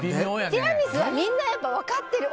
ティラミスはみんな分かってる。